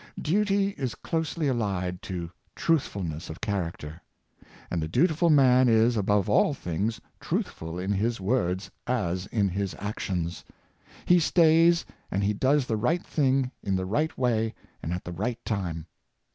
Duty is closely allied to truthfulness of character; and the dutiful man is, above all things, truthful in his words as in his actions. He says and he does the right thing in the right way, and at the right time.